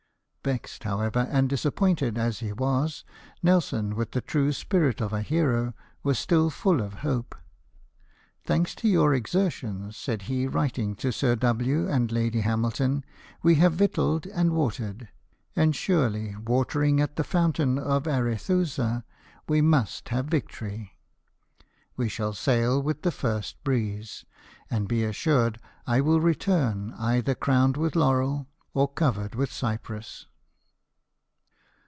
Vexed, however, and disappointed as he was. Nelson, with the true spirit of a hero, was still full of hope. " Thanks to your exertions," said he, writing to Sir W. and Lady Hamilton, " we have victualled and watered ; and surely, watering at the fountain of Arethusa, we must have victory. A¥e shall sail with the first breeze ; and be assured I Avill return either crowned with laurel or covered with cypress."